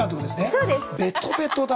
そうです。